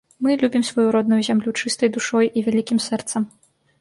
Мы любім сваю родную зямлю чыстай душой і вялікім сэрцам.